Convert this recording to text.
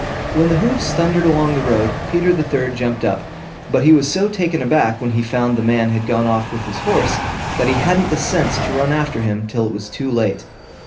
When the hoofs thundered along the road, Peter the third jumped up; but he was so taken aback when he found the man had gone off with his horse that he hadn't the sense to run after him till it was too late.